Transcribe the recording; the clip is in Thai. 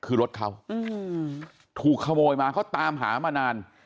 คือรถเขาถูกขโมยมาเขาตามหามานาน